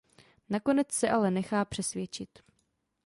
Nakonec se ale nechá přesvědčit.